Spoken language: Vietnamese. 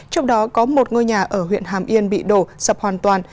trong đó có một ngôi nhà ở huyện hàm yên bị đổ sập hoàn toàn